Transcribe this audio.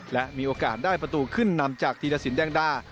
และมีโอกาสได้ประตูขึ้นนำจากธีรสินแดงดา